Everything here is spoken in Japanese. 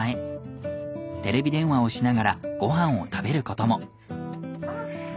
テレビ電話をしながらごはんを食べることも。